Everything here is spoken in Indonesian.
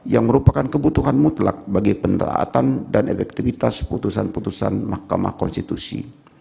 yang merupakan kebutuhan mutlak bagi penderatan dan efektivitas putusan putusan mahkamah konstitusi